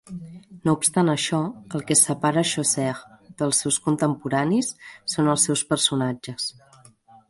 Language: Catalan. No obstant això, el que separa Chaucer dels seus contemporanis són els seus personatges.